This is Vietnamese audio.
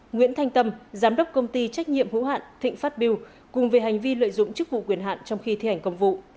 nguyễn thanh tâm giám đốc công ty trách nhiệm hữu hạn thịnh phát biêu cùng về hành vi lợi dụng chức vụ quyền hạn trong khi thi hành công vụ